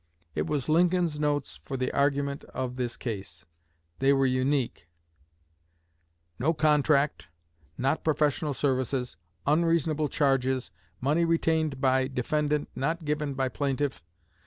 It was Lincoln's notes for the argument of this case. They were unique: "No contract Not professional services Unreasonable charges Money retained by Deft not given by Pl'ff.